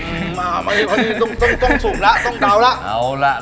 อืมมากเลยเพราะนี้ต้องสูงละต้องเกาแล้ว